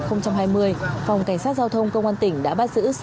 phòng cảnh sát giao thông công an tỉnh đã bắt giữ